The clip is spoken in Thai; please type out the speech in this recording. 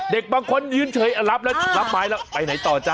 เด็กบางคนยืนเฉยรับแล้วรับไม้แล้วไปไหนต่อจ้